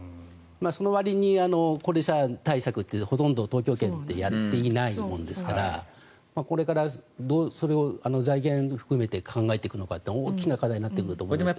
そのわりに高齢者対策ってほとんど東京圏ってやっていないものですからこれからそれを財源含めて考えていくのかって大きな課題になってくると思いますね。